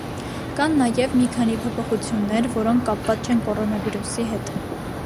Կան նաեւ մի քանի փոփոխություններ, որոնք կապված չեն կորոնավիրուսի հետ։